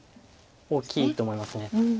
大きいと思います。